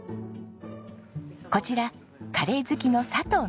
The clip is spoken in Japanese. こちらカレー好きの佐藤美佳さん。